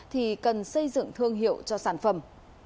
thì cần xây dựng thương hiệu cho sản phẩm